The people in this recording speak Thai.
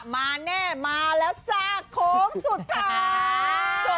มาแน่มาแล้วจ้าโค้งสุดท้าย